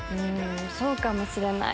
そうかもしれない。